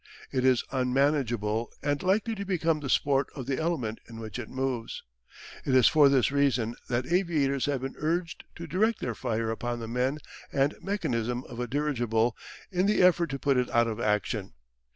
It is unmanageable, and likely to become the sport of the element in which it moves. It is for this reason that aviators have been urged to direct their fire upon the men and mechanism of a dirigible in the effort to put it out of action.